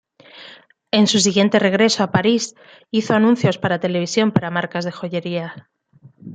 En su siguiente regreso a París, hizo anuncios para televisión para marcas de joyería.